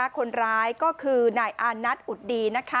คนร้ายก็คือนายอานัทอุดดี